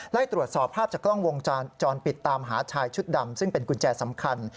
ไล่ตรวจสอบภาพจากกล้องวงจรปิดตามหาชายชุดดำซึ่งเป็นกุญแจสำคัญ